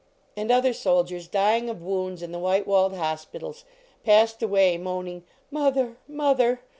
And other soldiers, dying of wounds in the white walled hospitals, passed away moaning " Mother, mother!